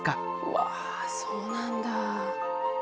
わそうなんだ。